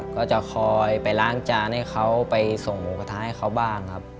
ก็จะคอยไปล้างจานให้เขาไปส่งหมูกระทะให้เขาบ้างครับ